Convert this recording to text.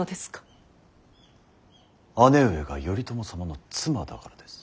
姉上が頼朝様の妻だからです。